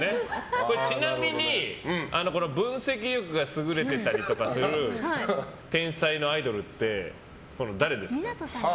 ちなみに分析力が優れてたりとかする天才のアイドルって誰ですか？